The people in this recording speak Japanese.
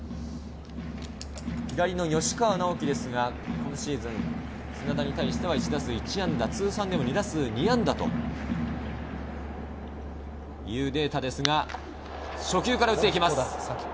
左の吉川尚輝ですが、今シーズン、砂田に対しては１打数１安打というデータですが、初球から打っていきます。